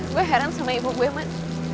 gue heran sama ibu gue mak